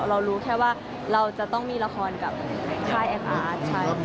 เรารู้แค่ว่าเราจะต้องมีละครกับค่ายแอคอาร์ตใช้